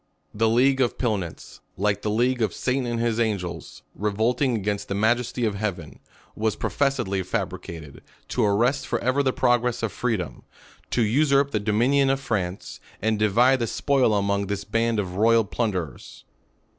The league of Pilnitz, like the league of Satan and his angels, revolting against the Majesty of heaven, was professedly fabricated, to arrest forever the pro gress of freedom; to usurp the dominion of France, and divide the spoil among this band of royal plunder ers.